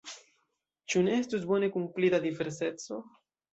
Ĉu ne estus bone kun pli da diverseco?